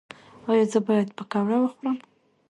ایا زه باید پکوړه وخورم؟